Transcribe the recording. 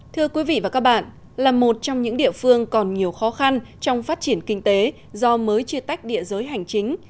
thưa quý vị và các bạn là một trong những địa phương còn nhiều khó khăn trong phát triển kinh tế do mới chia tách địa giới hành chính